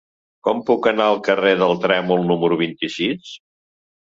Com puc anar al carrer del Trèmol número vint-i-sis?